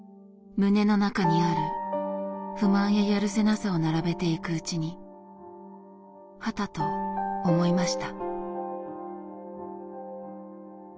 胸の中にある不満ややるせなさを並べていくうちにハタと思いました。